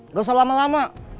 udah usah lama lama